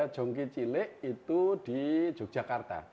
jongki cilik itu di yogyakarta